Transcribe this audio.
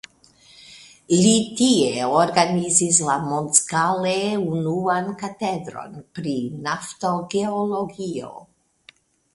Li tie organizis la mondskale unuan katedron pri naftogeologio.